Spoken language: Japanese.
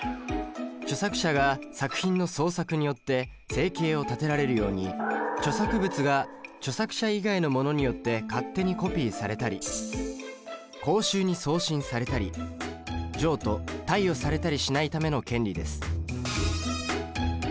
著作者が作品の創作によって生計を立てられるように著作物が著作者以外の者によって勝手にコピーされたり公衆に送信されたり譲渡貸与されたりしないための権利です。